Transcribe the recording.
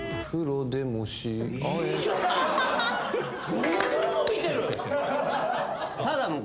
ぐんぐん伸びてる！